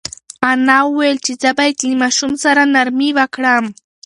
انا وویل چې زه باید له ماشوم سره نرمي وکړم.